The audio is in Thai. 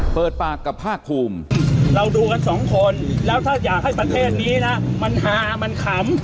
เปิดปากกับภาคภูมิเราดูกันสองคนแล้วถ้าอยากให้ประเทศนี้นะมันฮามันขำ